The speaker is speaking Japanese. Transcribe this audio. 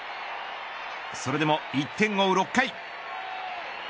それでも１点を追う６回。